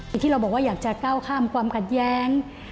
ที่เราบอกว่าอยากจะก้าวข้ามความขัดแย้ง